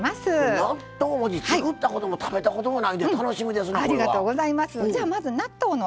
納豆もち作ったことも食べたこともないんで楽しみですなこれは。